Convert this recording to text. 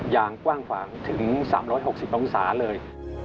อย่างกว้างขวางถึง๓๖๐องศาเลย